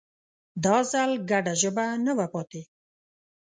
دا ځل ګډه ژبه نه وه پاتې